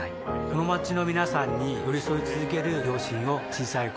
この街の皆さんに寄り添い続ける両親を小さい頃から見ていました